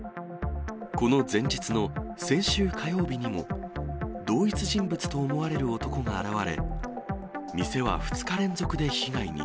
この前日の先週火曜日にも、同一人物と思われる男が現れ、店は２日連続で被害に。